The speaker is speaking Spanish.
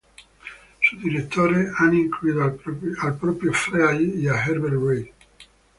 Sus directores han incluido al propio Fry y a Herbert Read.